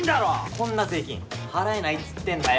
こんな税金払えないっつってんだよ。